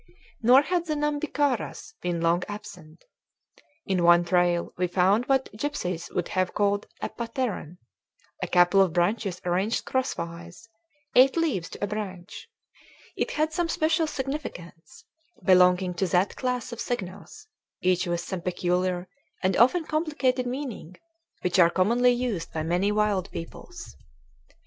Nor had the Nhambiquaras been long absent. In one trail we found what gypsies would have called a "pateran," a couple of branches arranged crosswise, eight leaves to a branch; it had some special significance, belonging to that class of signals, each with some peculiar and often complicated meaning, which are commonly used by many wild peoples.